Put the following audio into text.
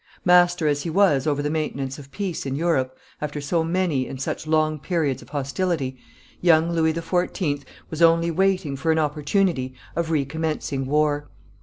Master as he was over the maintenance of peace in Europe, after so many and such long periods of hostility, young Louis XIV. was only waiting for an opportunity of recommencing war.